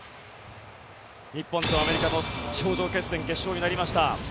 日本とアメリカの頂上決戦決勝になりました。